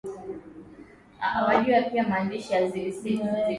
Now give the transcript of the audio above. watu wanasema kuwa aliongopa kutamka kuwa alimpa mkewe gari aina ya Range Rover